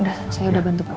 udah saya udah bantu pak